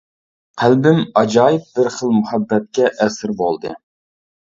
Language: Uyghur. قەلبىم ئاجايىپ بىر خىل مۇھەببەتكە ئەسىر بولدى.